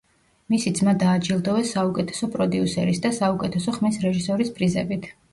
მისი ძმა დააჯილდოვეს საუკეთესო პროდიუსერის და საუკეთესო ხმის რეჟისორის პრიზებით.